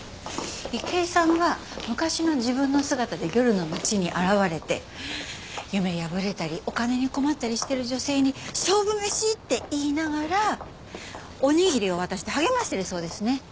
池井さんは昔の自分の姿で夜の街に現れて夢破れたりお金に困ったりしてる女性に勝負メシって言いながらおにぎりを渡して励ましてるそうですね。